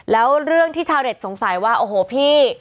แล้วเรื่องที่ชาวเน็ตสงสัยว่าโอ้โหพี่